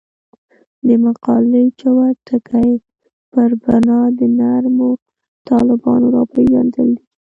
د مقالې جوت ټکی پر بنا د نرمو طالبانو راپېژندل دي.